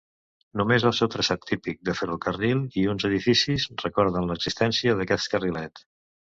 Només el seu traçat típic de ferrocarril i uns edificis recorden l'existència d'aquest carrilet.